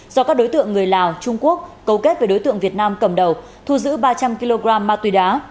do các đối tượng người lào trung quốc cấu kết với đối tượng việt nam cầm đầu thu giữ ba trăm linh kg ma túy đá